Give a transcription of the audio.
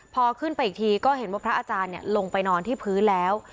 พอขึ้นไปอีกทีก็เห็นว่าพระอาจารย์ลงไปนอนที่พื้นแล้ว